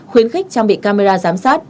khuyến khích trang bị camera giám sát